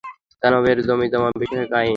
দানবদের জমিজমা বিষয়ক আইন?